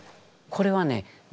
これはね